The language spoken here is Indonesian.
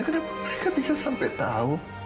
karena mereka bisa sampai tahu